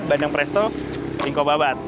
bandang presto winko babat